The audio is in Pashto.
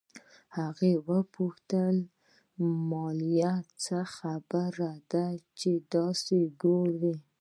هغې وپوښتل مالې څه خبره ده چې دسې ګورې.